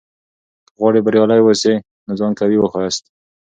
که غواړې بریالی واوسې؛ نو ځان قوي وښیاست.